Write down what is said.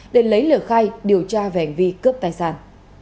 để lấy lời khai điều tra về hành vi cướp tài sản